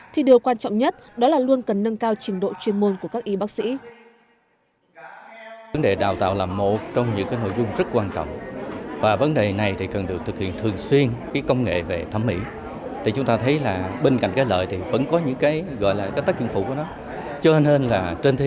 thì điều quan trọng nhất đó là luôn cần nâng cao trình độ chuyên môn của các y bác sĩ